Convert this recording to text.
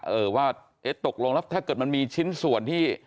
เออว่าเอ๊ะตกลงแล้วถ้าเกิดมันมีชิ้นส่วนที่